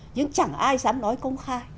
nhưng chẳng ai dám nói công khai